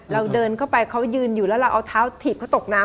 เราเดินเข้าไปเขายืนอยู่แล้วเราเอาเท้าถีบเขาตกน้ำ